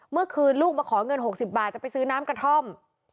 เมื่อคืนลูกมาขอเงิน๖๐บาทจะไปซื้อน้ำกระท่อม